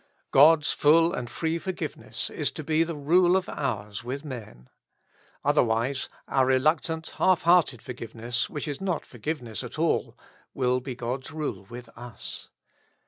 God's full and free forgiveness is to be the rule of ours with men. Otherwise our reluctant, half hearted forgive ness, which is not forgiveness at all, will be God's rule with us.